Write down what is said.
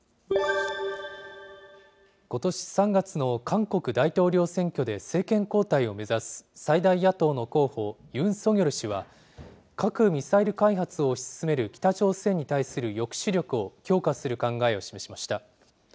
ことし３月の韓国大統領選挙で政権交代を目指す最大野党の候補、ユン・ソギョル氏は、核・ミサイル開発を推し進める北朝鮮に対する抑止力を強化する考えを示しました。